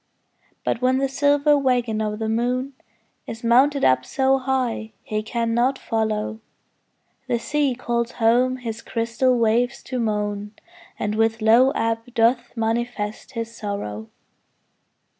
But when the silver waggon of the moon Is mounted up so high he cannot follow, The sea calls home his crystal waves to moan, And with low ebb doth manifest his sorrow.